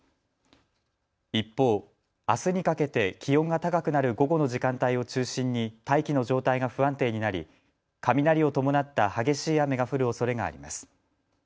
一方、あすにかけて気温が高くなる午後の時間帯を中心に大気の状態が不安定になり雷を伴った激しい雨が降るおそれがあります。